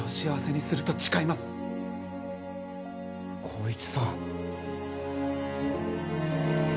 孝一さん。